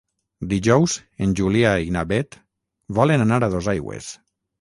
Dijous en Julià i na Beth volen anar a Dosaigües.